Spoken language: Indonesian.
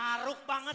maruk banget ya